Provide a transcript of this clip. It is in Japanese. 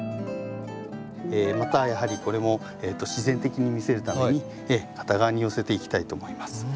またやはりこれも自然的に見せるために片側に寄せていきたいと思います。